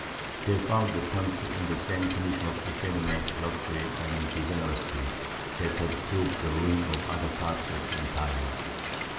They found the country in the same condition of effeminate luxury and degeneracy that had proved the ruin of other parts of the empire.